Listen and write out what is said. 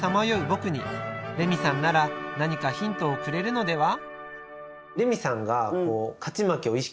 僕にレミさんなら何かヒントをくれるのでは？